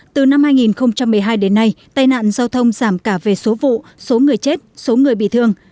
từ năm hai nghìn một mươi hai đến nay tai nạn giao thông giảm cả về số vụ số người chết số người bị thương